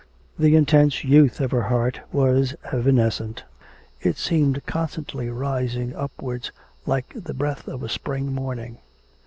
The intense youth of her heart was evanescent; it seemed constantly rising upwards like the breath of a spring morning.